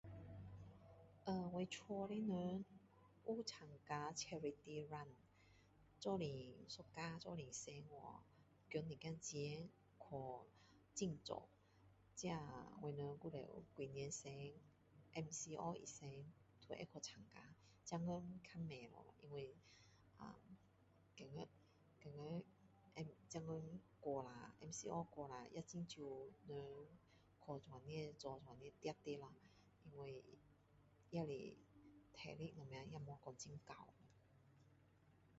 呃我家的人有参加charity run一起一家出去捐一点钱去资助者几年前mco以前会参加现今较不会因为因为啊觉得现今过了mco了也很少人做这些做这样子跑的了也是体力什么也没有说很够